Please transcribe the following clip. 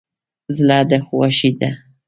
زړه ده غوښی دی